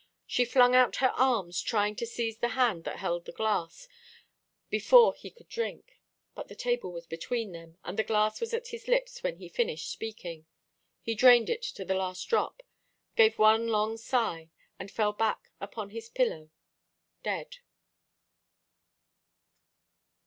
She flung out her arms, trying to seize the hand that held the glass, before he could drink. But the table was between them, and the glass was at his lips when he finished speaking. He drained it to the last drop, gave one long sigh, and fell back upon his pillow dead.